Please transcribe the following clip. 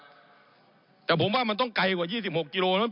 ผมอภิปรายเรื่องการขยายสมภาษณ์รถไฟฟ้าสายสีเขียวนะครับ